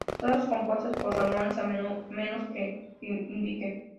Todas compuestas por Ramones a menos que se indique.